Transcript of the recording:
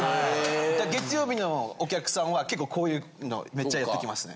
月曜日のお客さんは結構こういうのめっちゃやってきますね。